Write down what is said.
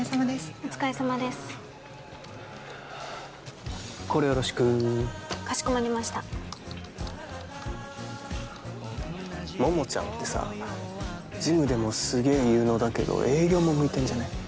お疲れさまこれよろしくかしこ桃ちゃんってさ事務でもすげえ有能だけど営業も向いてんじゃね？